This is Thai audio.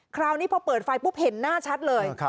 คราวนี้พอเปิดไฟปุ๊บเห็นหน้าชัดเลย